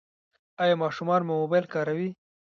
ایا ماشومان مو موبایل کاروي؟